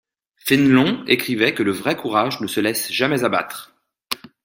Fénelon écrivait que le vrai courage ne se laisse jamais abattre.